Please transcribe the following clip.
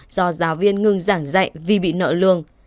do giáo viên ngừng giảng dạy vì bị nợ lương